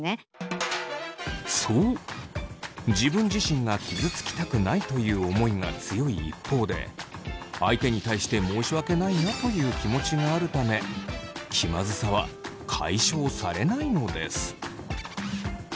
そう自分自身が傷つきたくないという思いが強い一方で相手に対して申し訳ないなという気持ちがあるため気まずさは解消されないのです。